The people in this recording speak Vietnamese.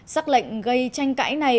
sắc lệnh gây tranh cãi này